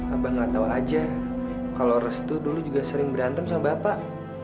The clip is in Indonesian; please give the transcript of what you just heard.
abang nggak tahu aja kalau restu dulu juga sering berantem sama bapak